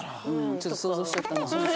ちょっと想像しちゃったな。